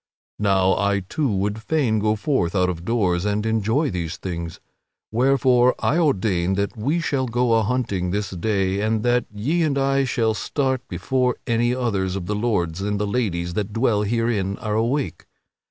Now, I too would fain go forth out of doors and enjoy these things; wherefore I ordain that we shall go a hunting this day and that ye and I shall start before any others of the lords and the ladies that dwell herein are awake.